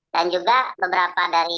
dan juga beberapa dari